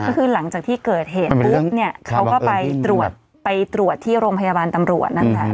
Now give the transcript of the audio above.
ก็คือหลังจากที่เกิดเหตุปุ๊บเนี่ยเขาก็ไปตรวจไปตรวจที่โรงพยาบาลตำรวจนั่นแหละ